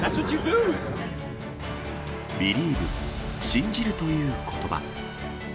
ビリーブ、信じるということば。